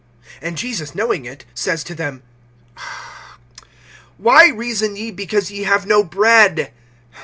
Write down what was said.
(17)And Jesus knowing it, says to them: Why reason ye, because ye have no bread?